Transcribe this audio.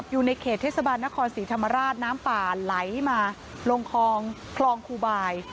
อยู่ในเขตเทศบาลนครศรีธรรมราชน้ำป่าไหลมาลงคลองคลองครูบาย